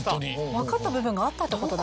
分かった部分があったってことだ。